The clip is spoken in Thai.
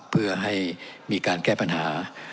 เพื่อให้มีการแก้ปัญหา